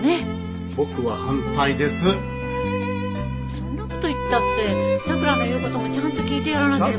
そんなこと言ったってさくらの言うこともちゃんと聞いてやらなければ。